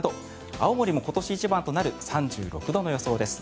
青森も今年一番となる３６度の予想です。